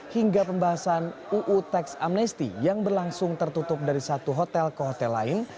hingga pembahasan uu teks amnesti yang berlangsung tertutup dari satu hotel ke hotel lain